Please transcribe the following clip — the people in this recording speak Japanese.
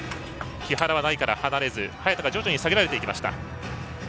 木原は台から離れず早田が徐々に離されていきました。